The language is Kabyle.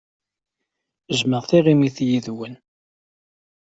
Jjmeɣ tiɣimit yid-wen.